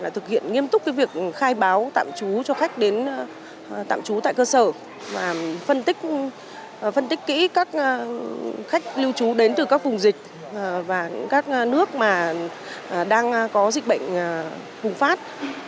thực hiện nghiêm túc việc khai báo tạm trú cho khách đến tạm trú tại cơ sở phân tích kỹ các khách lưu trú đến từ các vùng dịch và các nước đang có dịch bệnh hùng phát